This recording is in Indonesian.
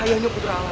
ayahnya putra alam